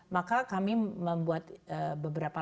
maka kami membuat beberapa